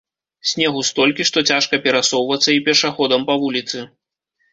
Снегу столькі, што цяжка перасоўвацца і пешаходам па вуліцы.